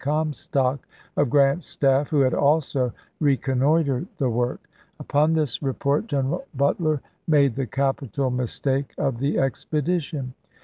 Comstock of Grant's staff, who had also recon noitered the work. Upon this report, General Butler FOKT FISHER AND WILMINGTON 63 made the capital mistake of the expedition.